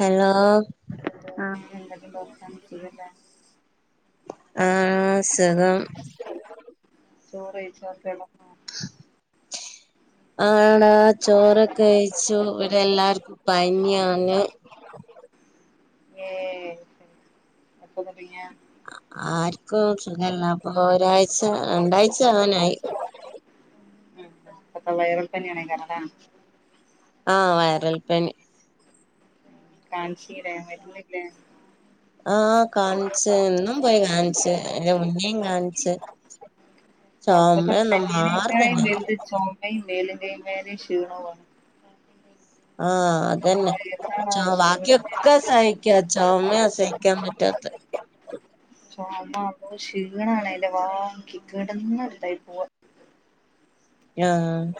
Hello. ആഹ് എന്തൊക്കെണ്ട് വർത്താനം സുഖല്ലേ? ആ സുഖം. ചോറ് കയിച്ച [unintelligible] ആണ ചോറൊക്കെ കയിച്ചു. ഇവിടെ എല്ലാർക്കും പനിയാണ്. ഏ എപ്പൊ തൊടങ്ങിയ? ആർക്കും സുഖല്ല. അപ്പൊ ഒരായിച രണ്ടായിച ആവനായി. ഉം.. പ്പോ വൈറൽ പനിയാണ് അതോണ്ടാണ്. ആ വയറൽപ്പനി. കാണ്ച്ചില്ലേ മരുന്നില്ലേ? ആഹ. കാണിച്ച് ഇന്നും പോയി കാണിച്ച് അയിന്റെ മുന്നേം കാണിച്ച്. ചൊമ ഒന്നും മാറ്ണന്നെല്ല. ചൊമേം, മേലു വേദനേം, ക്ഷീണവുമാണ് ആഹ് അതന്നെ ചൊ [unintelligible] ബാക്കിയൊക്കെ സഹിക്കാ ചൊമയാ സഹിക്കാൻ പറ്റാത്തെ ചെമ ക്ഷീണണതിൻ്റെ വാക്കി കെടന്ന ഇതായി പോവാ. ങ്ങ്യാ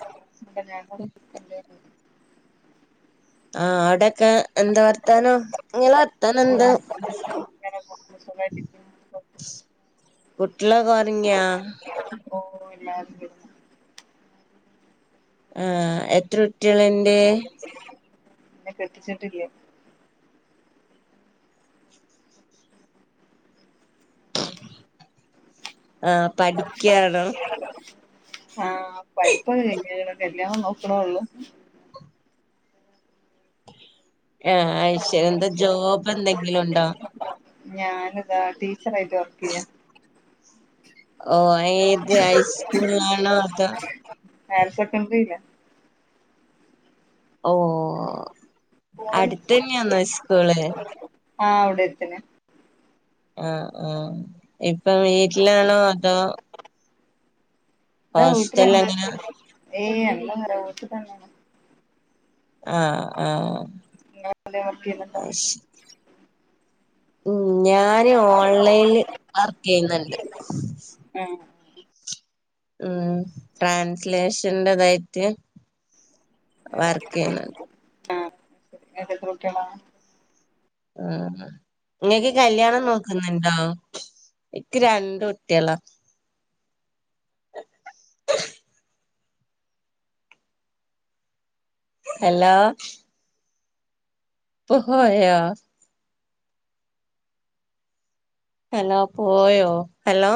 [unintelligible] ആ. ആടെ ങാ.. എന്താ വർത്താനം ഇങ്ങളെ വർത്താന എന്താ? സുഖായിട്ടിരിക്കുന്നു കുട്ടികളൊക്കെ ഒറങ്ങിയെ? ഓ ഇല്ല [unintelligible] ആ. എത്ര കുട്ടികളുണ്ട് ന്നെ കെട്ടിച്ചിട്ടില്യ. ആഹ് പഠിക്ക്യാണോ? ആഹ് പഠിപ്പ്കഴിഞ്ഞ് കല്ല്യാണം നോക്കണുള്ളു. ആഹ് അയ് ശരി എന്താ ജോബ് എന്തെങ്കിലും ഒണ്ടോ? ഞാനിതാ ടീച്ചറായിട്ട് വർക്ക് ചെയ്യാ. ഓ ഏത് ഹൈസ്കൂളിലാണാ അതോ? ഹയർ സെക്കൻഡറിലാ. ഓ. അടുത്തന്നെയാന്നോ സ്കൂള് ആഹ് അവിടെ എത്ത്നാ. ആഹ.. ആഹ.. ഇപ്പൊ വീട്ടിലാണോ? അതോ? ഇതാ ഹോസ്റ്റലിൽ വീട്ടിലിണ്ട് എങ്ങനാ ഏയ് എന്താ പറ വീട്ടി തന്നെയാണ്. ആഹ് ആഹ് നിങ്ങള് എന്തേലുംവർക്കു ചെയ്യുന്നുണ്ടോ? അയ്ശരി ഉം ഞാന് ഓൺലൈനില് വർക്ക് ചെയ്യുന്നുണ്ട്. ഉം. ഉം ട്രാൻസ്ലേഷൻന്റെ ഇതായിട്ട്. വർക്ക് ചെയ്യണുണ്ട്. ആഹ് ഇയ്യാക്ക് എത്ര കുട്ടികളാ? ആഹ് നിങ്ങക്ക് കല്ല്യാണം നോക്കു ന്നുണ്ടോ? നിക്ക് രണ്ട് കുട്ടികളാ. ഹലോ. ക്കു പ്പോയോ? ഹലോ പോയോ ഹലോ.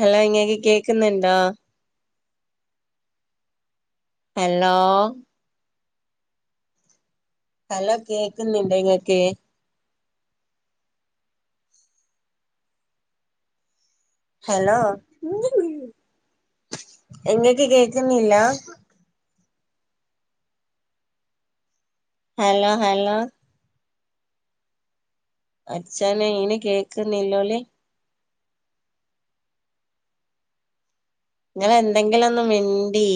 ഹലോ ഇങ്ങക്ക് കേക്കുന്നുണ്ടോ? ഹലോ. ഹലോ കേക്കുന്നില്ലേ ഇങ്ങൾക്ക്. ഹലോ ന എങ്ങക്ക് കേക്കുന്നില്ല. Hello hello. പടച്ചോനേ ഇങ്ങനെ കേക്കുന്നില്ല ഓല്. നിങ്ങള് എന്തെങ്കിലു ഒന്ന് മിണ്ടി